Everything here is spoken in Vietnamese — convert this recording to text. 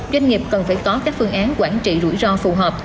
doanh nghiệp cần phải có các phương án quản trị rủi ro phù hợp